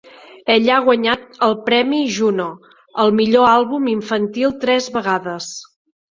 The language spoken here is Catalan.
Ella ha guanyat el Premi Juno al millor àlbum infantil tres vegades.